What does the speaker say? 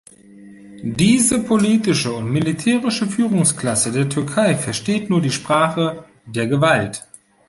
Diese politische und militärische Führungsklasse der Türkei versteht nur die Sprache der Gewalt.